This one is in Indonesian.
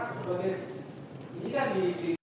sudah bisa nyinggung